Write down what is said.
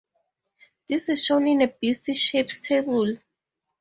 This is shown in the Beast Shapes table.